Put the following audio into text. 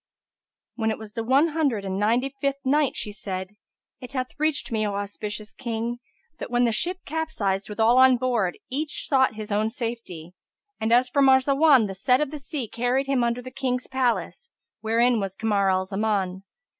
When it was the One Hundred and Ninety fifth Night, She said, It hath reached me, O auspicious King, that when the ship capsized with all on board, each sought his own safety; and as for Marzawan the set of the sea carried him under the King's palace, wherein was Kamar al Zaman.